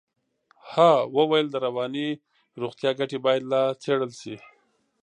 ها وویل د رواني روغتیا ګټې باید لا څېړل شي.